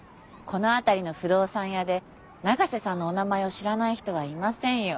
この辺りの不動産屋で永瀬さんのお名前を知らない人はいませんよ。